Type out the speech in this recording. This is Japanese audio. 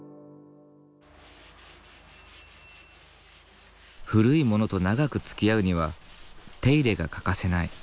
古いものと長くつきあうには手入れが欠かせない。